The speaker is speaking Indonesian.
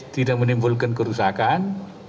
tidak menimbulkan kerusakan